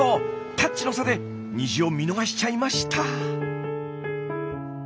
タッチの差で虹を見逃しちゃいました。